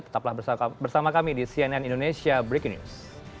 tetaplah bersama kami di cnn indonesia breaking news